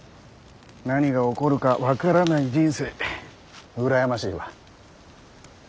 何が起こるか分からない人生羨ましいわ。